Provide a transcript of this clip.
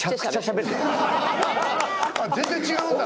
全然違うんだ。